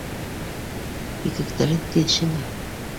Кикректәре тиҙ шиңә